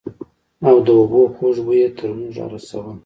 او د اوبو خوږ بوى يې تر موږ رارساوه.